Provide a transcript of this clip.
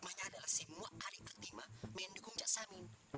hibahnya adalah semua hari ketima mendukung cak samin